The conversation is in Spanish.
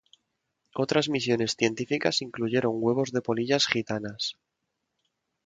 Otras misiones científicas incluyeron huevos de polillas gitanas.